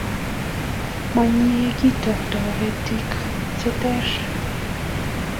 Menyei keto toritik che ter